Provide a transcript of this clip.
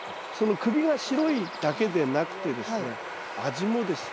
首が白いだけでなくてですね味もですね